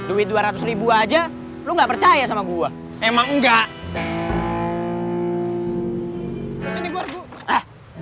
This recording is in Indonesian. duit dua ratus aja lu nggak percaya sama gua emang enggak sini gua